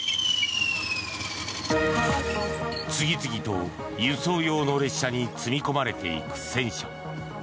次々と輸送用の列車に積み込まれていく戦車。